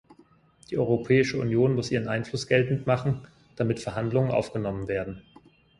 Die Europäische Union muss ihren Einfluss geltend machen, damit Verhandlungen aufgenommen werden.